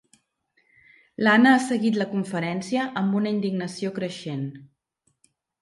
L'Anna ha seguit la conferència amb una indignació creixent.